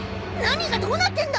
何がどうなってんだ！？